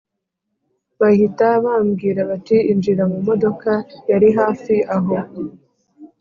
Bahita bambwira bati injira mu modoka yari hafi aho